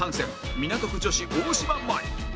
港区女子大島麻衣